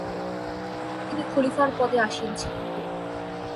তিনি খলিফার পদে আসীন ছিলেন।